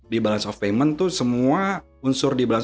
di balanced payment semuanya untuk ash vois